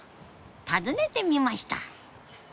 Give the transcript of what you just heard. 訪ねてみました。